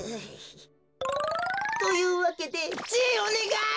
というわけでじいおねがい！